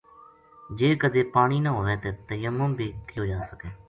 جے کدے پانی نہ ہووے تے تیمم بھی کیو جاسکے۔